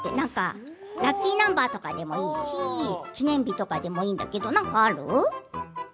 ラッキーナンバーとかでもいいし記念日とかでもいいけど何かある？